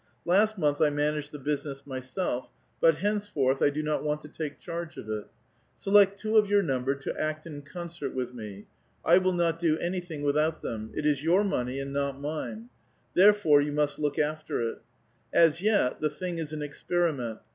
Last month I managed the business myself, but hencefortli, 1 do not want to tjike charge of it. Select two of vour numl)er to act in concert with me. I will not do anything without tliem. It is your money, and not mine ; therefore, you must look after it. As yet, the thing is an experiment.